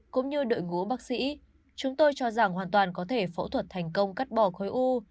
cũng như đội ngũ bác sĩ chúng tôi cho rằng hoàn toàn có thể phẫu thuật thành công cắt bỏ khối u